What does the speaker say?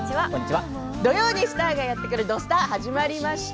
土曜にスターがやってくる「土スタ」始まりました。